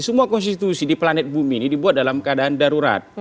semua konstitusi di planet bumi ini dibuat dalam keadaan darurat